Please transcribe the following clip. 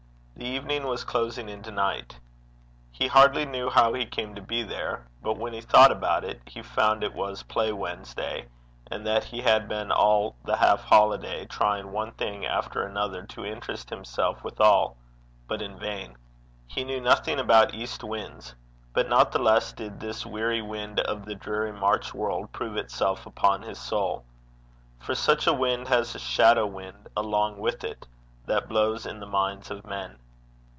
The evening was closing into night. He hardly knew how he came to be there, but when he thought about it he found it was play Wednesday, and that he had been all the half holiday trying one thing after another to interest himself withal, but in vain. He knew nothing about east winds; but not the less did this dreary wind of the dreary March world prove itself upon his soul. For such a wind has a shadow wind along with it, that blows in the minds of men.